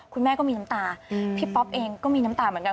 คุณแม่ก็มีน้ำตาพี่ป๊อปเองก็มีน้ำตาเหมือนกัน